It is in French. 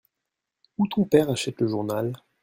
Où ton père achète le journal ?